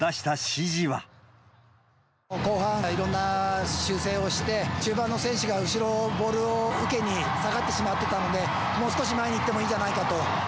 後半、いろんな修正をして、中盤の選手が後ろ、ボールを受けに下がってしまってたので、もう少し前に行ってもいいんじゃないかと。